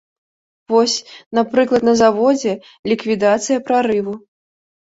Вось, напрыклад, на заводзе ліквідацыя прарыву.